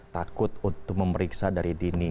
takut untuk memeriksa dari dini